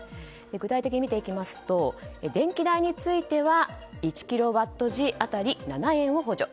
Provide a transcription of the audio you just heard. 具体的に見ていきますと電気代については１キロワットアワー当たり７円を補助。